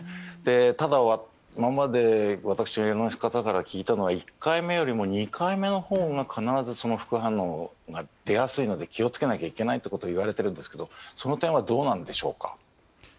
ただ今まで私がいろんな方から聞いたのには１回目より２回目のほうが副反応が出やすいので、気をつけなきゃならないといわれているんですがその点はどうなんでしょうか。